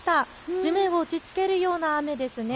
地面を打ちつけるような雨です。